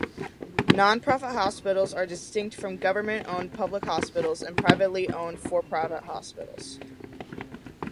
Non-profit hospitals are distinct from government owned public hospitals and privately owned for-profit hospitals.